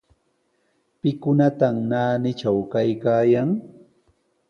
¿Pikunataq naanitraw kaykaayan?